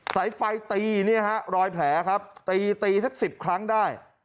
สายไฟตีเนี่ยฮะรอยแผลครับตีตีสัก๑๐ครั้งได้